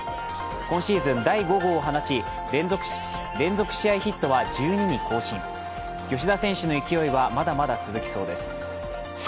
今シーズン第５号を放ち連続試合ヒットは１２に更新、吉田選手の勢いはまだまだ続きそうです。